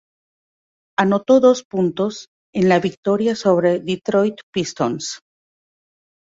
Anotó dos puntos en la victoria sobre Detroit Pistons.